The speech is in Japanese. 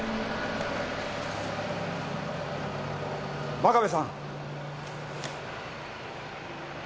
真壁さん。